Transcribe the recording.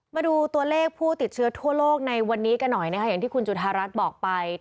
มาดูตัวเลขผู้ติดเชื้อทั่วโลกในวันนี้กันหน่อยนะคะอย่างที่คุณจุธารัฐบอกไป